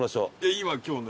今今日ね。